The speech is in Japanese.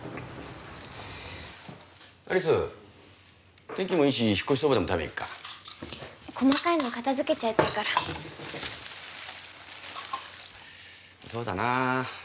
有栖天気もいいし引っ越しそばでも食べに行くか細かいの片付けちゃいたいからそうだな